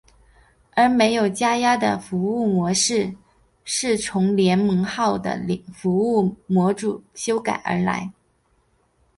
而没有加压的服务模组是从联盟号的服务模组修改而来。